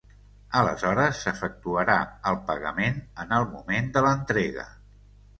Aleshores s'efectuarà el pagament en el moment de l'entrega.